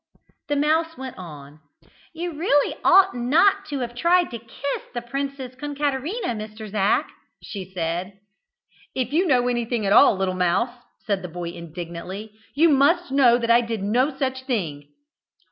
The mouse went on: "You really ought not to have tried to kiss the Princess Concaterina, Mr. Zac," she said. "If you know anything at all, little mouse," said the boy, indignantly, "you must know that I did no such thing."